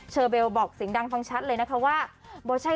อเบลบอกเสียงดังฟังชัดเลยนะคะว่า